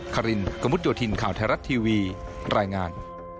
ครินกมุทยธินข่าวไทยรัตน์ทีวีรายงาน